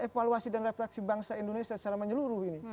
dan ini adalah bagaimana cara kita memperbaiki bangsa indonesia secara menyeluruh